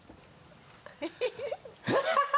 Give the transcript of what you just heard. フハハハ。